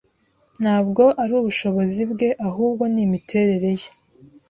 Ntabwo ari ubushobozi bwe, ahubwo ni imiterere ye